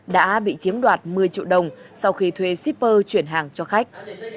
đã bị chiếm đoạt một mươi triệu đồng sau khi thuê shipper chuyển hàng cho khách